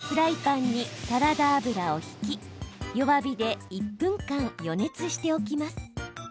フライパンにサラダ油を引き弱火で１分間、予熱しておきます。